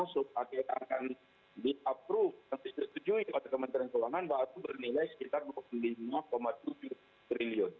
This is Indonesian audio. nanti setuju kementerian keuangan bahwa itu bernilai sekitar dua puluh lima tujuh triliun